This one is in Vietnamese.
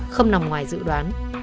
không nằm ngoài dự đoán